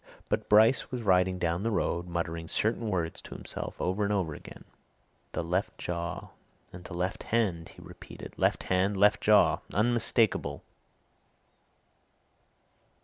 But Bryce was riding down the road, muttering certain words to himself over and over again. "The left jaw and the left hand!" he repeated. "Left hand left jaw! Unmistakable!"